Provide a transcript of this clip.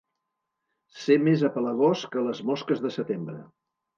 Ser més apegalós que les mosques de setembre.